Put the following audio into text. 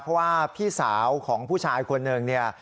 เพราะว่าพี่สาวของผู้ชายคนหนึ่งเนี่ย